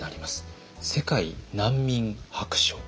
「世界難民白書」。